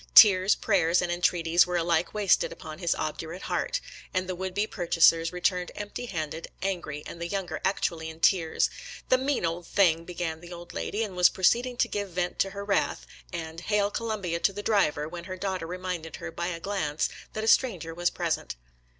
Tears, prayers, and entreaties were alike wasted upon his obdurate heart, and the would be pur chasers returned empty handed, angry, and the younger actually in tears. " The mean old thing !" began the old lady, and was proceed ing to give vent to her wrath and " Hail Colum bia " to the driver, when her daughter reminded her by a glance that a stranger was present.